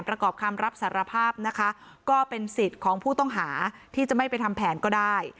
ประกอบคำรับสารภาพนะคะก็เป็นสิทธิ์ของผู้ต้องหาที่จะไม่ไปทำแผนก็ได้